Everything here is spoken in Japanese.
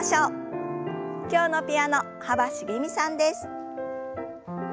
今日のピアノ幅しげみさんです。